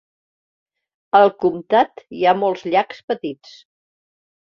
Al comtat hi ha molts llacs petits.